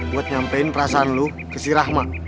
buat nyampein perasaan lo ke si rahma